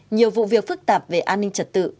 nhiều vụ việc phức tạp về an ninh trật tự